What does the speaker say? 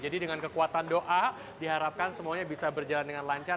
jadi dengan kekuatan doa diharapkan semuanya bisa berjalan dengan lancar